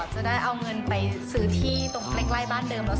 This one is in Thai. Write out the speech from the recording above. จะได้เอาเงินไปซื้อที่ตรง